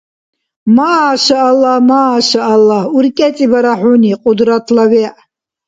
Машааллагь, машааллагь, уркӀецӀибара хӀуни, Кьудратла вегӀ.